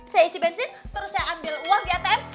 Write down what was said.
saya isi bensin terus saya ambil uang di atm